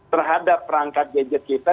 terhadap perangkat gadget kita